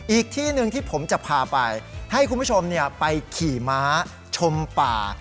อีกที่หนึ่งที่ผมจะพาไปให้คุณผู้ชมไปขี่ม้าชมป่า